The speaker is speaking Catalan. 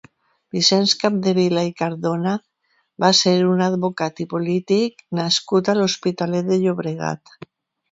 Vicenç Capdevila i Cardona va ser un advocat i polític nascut a l'Hospitalet de Llobregat.